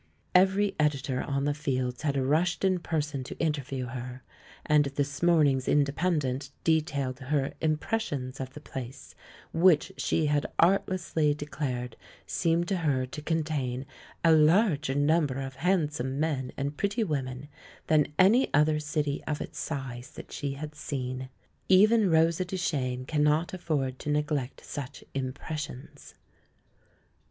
Every editor on the Fields had rushed in person to interview her; and this morning's Independent detailed her "impressions" of the place, which she had artlessly declared seemed to her to contain a larger number of handsome men and pretty women than any other city of its size that she had seen. Even Rosa Duchcnes cannot afford to neglect such "impressions."